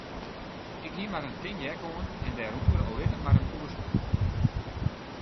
Ik hie mar in tin jack oan en dêrûnder allinnich mar in oerstrûper.